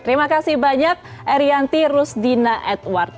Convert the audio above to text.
terima kasih banyak erianti rusdina edward